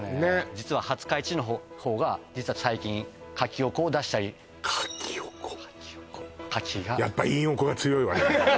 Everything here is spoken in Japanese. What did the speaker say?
実は廿日市の方が最近かきおこを出したりかきおこやっぱいんおこが強いわね